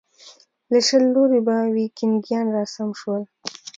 له شل لوري به ویکینګیان راسم شول.